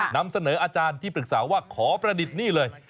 นำเสนออาจารย์ที่ปรึกษาว่าขอประดิษฐ์หนี้เลย